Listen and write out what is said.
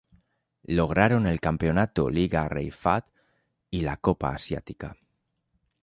Lograron el campeonato Liga Rey Fahd y la Copa Asiática.